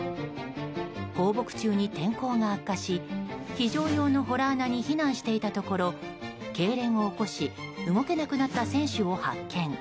放牧中に天候が悪化し非常用の洞穴に避難していたところけいれんを起こし動けなくなった選手を発見。